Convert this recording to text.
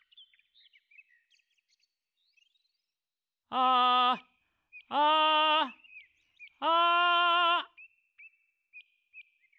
「あああ」